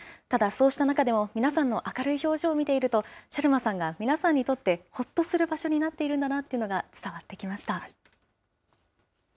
ただ、そうした中でも、皆さんの明るい表情を見ていると、シャルマさんが皆さんにとってほっとする場所になっているんだなというのが伝わってきました。